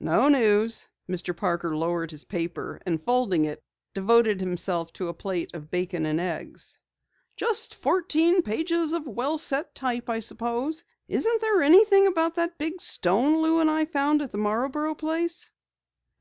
"No news." Mr. Parker lowered his paper, and folding it, devoted himself to a plate of bacon and eggs. "Just fourteen pages of well set type, I suppose. Isn't there anything about that big stone Lou and I found at the Marborough place?"